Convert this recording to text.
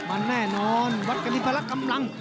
มันแน่นอนวัดกรีพละกำลัง